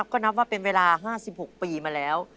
ก็นับว่าเป็นเวลา๕๖ปีมาแล้ว